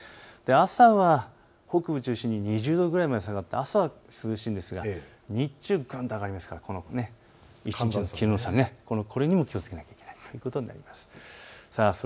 朝は北部を中心に２０度くらいまで下がって朝は涼しいんですが日中、寒暖がありますから気温差にも気をつけなければいけないということになります。